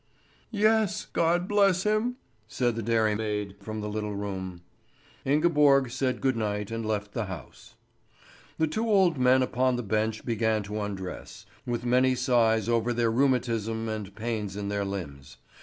"Yes, God bless him!" said the dairymaid from the little room. Ingeborg said good night and left the house. The two old men upon the bench began to undress, with many sighs over their rheumatism and pains in their limbs.